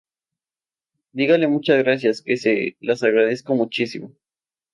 Dígale muchas gracias, que se las agradezco muchísimo.